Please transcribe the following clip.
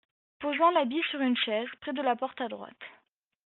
Posant l’habit sur une chaise, près de la porte à droite.